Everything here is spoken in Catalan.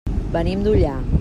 Venim d'Ullà.